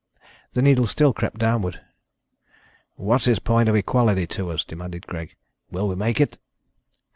The needle still crept downward. "What's his point of equality to us?" demanded Greg. "Will we make it?"